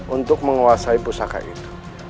untuk menguasai pusaka itu